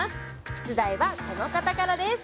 出題はこの方からです